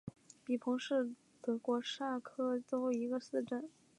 比彭是德国下萨克森州的一个市镇。